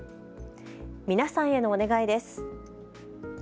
皆さんへのお願いです。